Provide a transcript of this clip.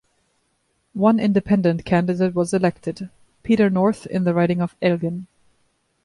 One independent candidate was elected: Peter North in the riding of Elgin.